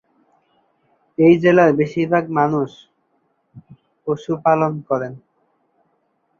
এই জেলার বেশিরভাগ মানুষ পশুপালন করেন।